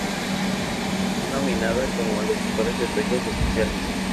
Fue nominada como los mejores efectos especiales.